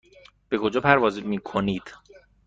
به کجا پرواز میکنید؟